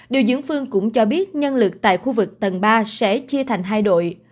điều dưỡng phương cũng cho biết nhân lực tại khu vực tầng ba sẽ chia thành hai đội